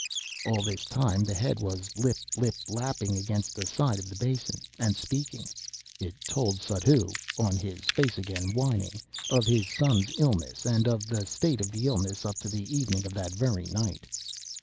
All this time the head was "lip lip lapping" against the side of the basin, and speaking. It told Suddhoo, on his face again whining, of his son's illness and of the state of the illness up to the evening of that very night.